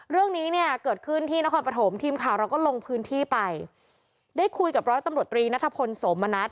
เรื่องนี้เนี่ยเกิดขึ้นที่นครปฐมทีมข่าวเราก็ลงพื้นที่ไปได้คุยกับร้อยตำรวจตรีนัทพลสมณัฐ